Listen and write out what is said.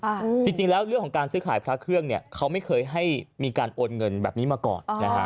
จริงจริงแล้วเรื่องของการซื้อขายพระเครื่องเนี้ยเขาไม่เคยให้มีการโอนเงินแบบนี้มาก่อนนะฮะ